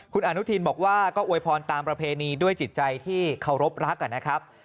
คุณอนุทินบอกว่าก็อวยพรตามประเพณีด้วยจิตใจที่เคารพรักนะครับ